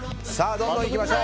どんどん行きましょう。